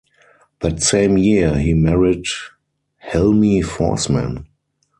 That same year he married Helmi Forsman.